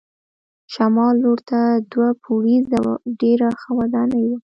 شمال لور ته دوه پوړیزه ډېره ښه ودانۍ وه.